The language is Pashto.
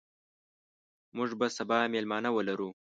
موږ به سبا میلمانه ولرو.